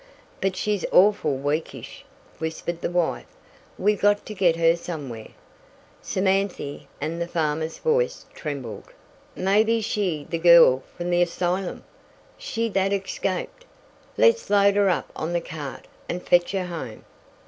"But she's awful weakish," whispered the wife. "We got to get her somewhere." "Samanthy!" and the farmer's voice trembled, "mebby she the gal from the asylum! She that escaped! Let's load her up on the cart and fetch her home."